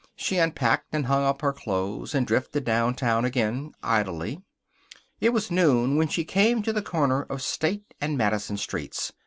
She unpacked and hung up her clothes and drifted downtown again, idly. It was noon when she came to the corner of State and Madison Streets.